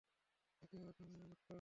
ওকে ওখানে আটকাও।